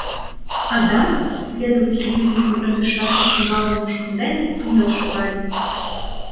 «Адак?! — следователь йӱкым кугемдышаш ӱстембалым мушкынден, кынел шогале.